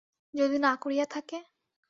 যদি না করিয়া থাকে?